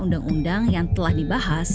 undang undang yang telah dibahas